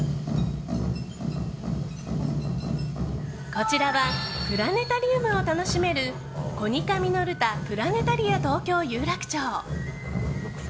こちらはプラネタリウムを楽しめるコニカミノルタプラネタリアＴＯＫＹＯ有楽町。